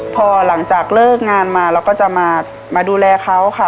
พอหลังจากเลิกงานมาเราก็จะมาดูแลเขาค่ะ